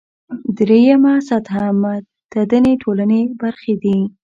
درېیمه سطح متدینې ټولنې برخې دي.